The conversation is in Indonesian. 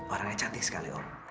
orangnya cantik sekali om